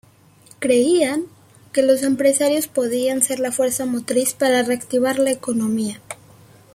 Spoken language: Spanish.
Creían que los empresarios podían ser la fuerza motriz para reactivar la economía.